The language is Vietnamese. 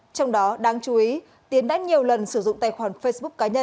trong đó đáng chú ý tiến đã nhiều lần sử dụng tài khoản facebook